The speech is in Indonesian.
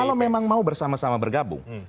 kalau memang mau bersama sama bergabung